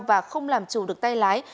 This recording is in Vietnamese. và không làm chủ được tay lái